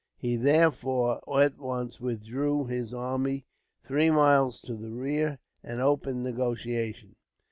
He therefore at once withdrew his army three miles to the rear, and opened negotiations.